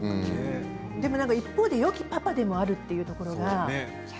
一方でよきパパでもあるというところが。